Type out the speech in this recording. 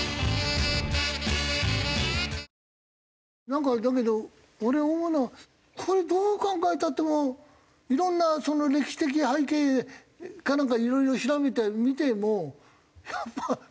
なんかだけど俺思うのはこれどう考えたってもういろんな歴史的背景かなんかいろいろ調べてみても。